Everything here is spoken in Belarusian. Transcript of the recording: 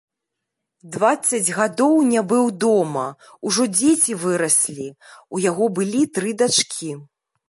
Дваццаць гадоў не быў дома, ужо дзеці выраслі, у яго былі тры дачкі.